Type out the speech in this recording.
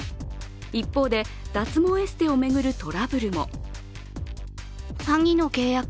一方で、脱毛エステを巡るトラブルも。